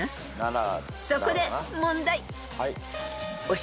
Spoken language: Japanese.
［そこで問題］